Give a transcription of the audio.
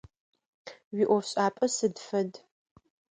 Уиӏофшӏапӏэ сыд фэд?